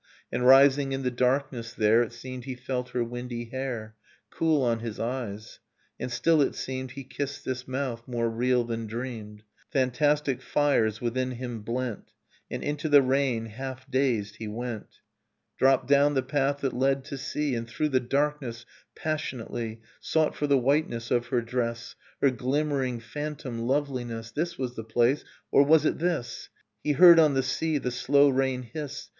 And rising in the darkness there It seemed he felt her windy hair Cool on his eyes, and still it seemed He kissed this mouth, more real than dreamed ... Fantastic tires within him blent, And into the rain, half dazed, he went: Dropped down the path that led to sea, And through the darkness, passionately, Sought for the whiteness of her dress, Her glimmering phantom loveliness. This was the place — or was it this? He heard on the sea the slow rain hiss.